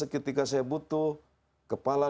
ketika saya butuh kepala